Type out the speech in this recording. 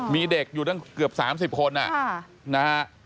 มีเด็กอยู่เกือบ๓๐คนอ่ะ